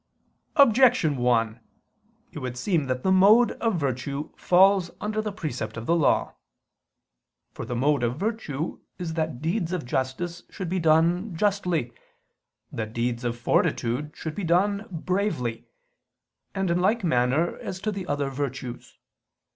Objection 1: It would seem that the mode of virtue falls under the precept of the law. For the mode of virtue is that deeds of justice should be done justly, that deeds of fortitude should be done bravely, and in like manner as to the other virtues.